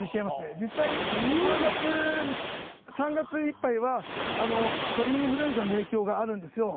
実際、３月いっぱいは鳥インフルエンザの影響があるんですよ。